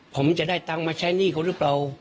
ก็เลยขับรถไปมอบตัว